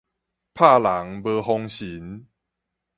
拍人無風神